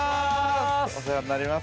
お世話になります。